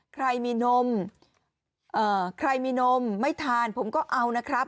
ใครมีนมใครมีนมไม่ทานผมก็เอานะครับ